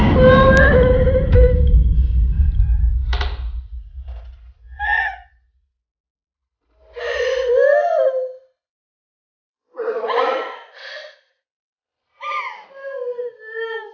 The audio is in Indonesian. saya menjelaskan aibah dan aibah